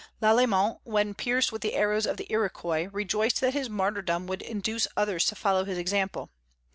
Lalemant, when pierced with the arrows of the Iroquois, rejoiced that his martyrdom would induce others to follow his example.